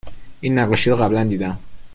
این نقاشی رو قبلا دیدم